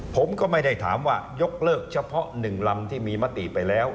ผมก็ไม่ได้ถามว่ายกเลิกเฉพาะ๑ลำที่มีมติไปแล้ว